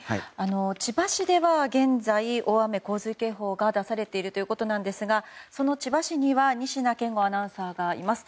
千葉市では現在大雨・洪水警報が出されているということですがその千葉市には仁科健吾アナウンサーがいます。